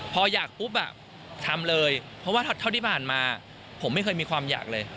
พออยากปุ๊บทำเลยเพราะว่าเท่าที่ผ่านมาผมไม่เคยมีความอยากเลย